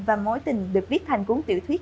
và mối tình được viết thành cuốn tiểu thuyết